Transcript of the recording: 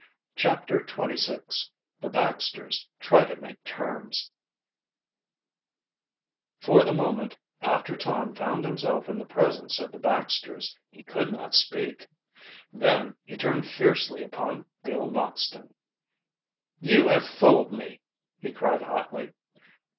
CHAPTER XXVI THE BAXTERS TRY TO MAKE TERMS For the moment after Tom found himself in the presence of the Baxters he could not speak. Then he turned fiercely upon Bill Noxton. "You have fooled me!" he cried hotly.